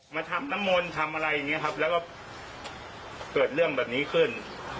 ทำน้ำมนต์ทำอะไรอย่างนี้ครับแล้วก็เกิดเรื่องแบบนี้ขึ้น